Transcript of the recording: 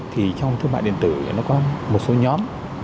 thì trong thương mại điện tử nó có một số nhóm